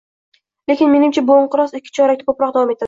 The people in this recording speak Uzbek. Lekin menimcha, bu inqiroz ikki chorakdan ko'proq davom etadi